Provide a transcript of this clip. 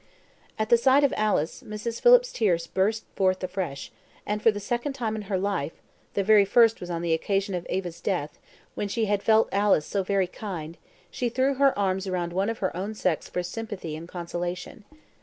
At the sight of Alice, Mrs. Phillips's tears burst forth afresh, and for the second time in her life (the first was on the occasion of Eva's death, when she had felt Alice so very kind), she threw her arms round one of her own sex for sympathy and consolation.